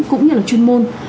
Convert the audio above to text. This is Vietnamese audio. cũng như là chuyên môn